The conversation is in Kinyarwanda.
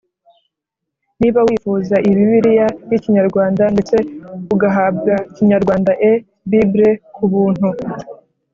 Niba wifuza iyi bibiliya y i kinyarwanda ndetse ugahabwa kinyarwanda e bible ku buntu